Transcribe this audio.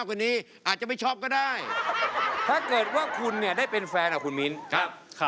คุณจะช่วยวิธีการอย่างไหร่